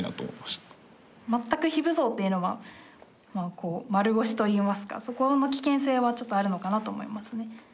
全く非武装というのは丸腰といいますかそこの危険性はちょっとあるのかなと思いますね。